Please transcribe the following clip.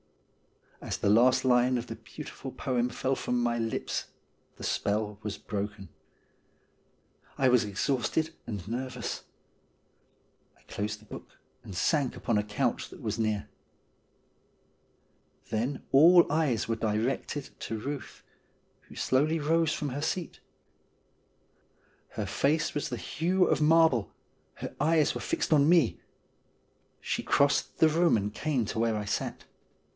As the last line of the beautiful poem fell from my lips the spell was broken. I was exhausted and nervous. I closed the book, and sank upon a couch that was near. Then all eyes were directed to Euth, who slowly rose from her seat. Her face was of the hue of marble ; her eyes were fixed on me ; she crossed the room and came to where I sat.